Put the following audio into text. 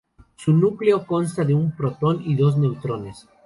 Su núcleo consta de un protón y dos neutrones.